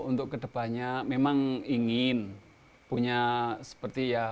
untuk ke depannya saya ingin hasil masa depan yang akan datang